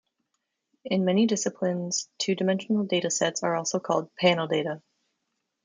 In many disciplines, two-dimensional data sets are also called panel data.